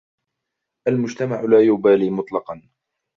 المجتمع لا يبالي مطلقاً.